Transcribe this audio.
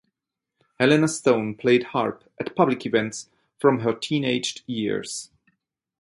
Helena Stone played harp at public events from her teenaged years.